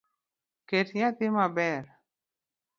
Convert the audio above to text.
Ket nyathi maber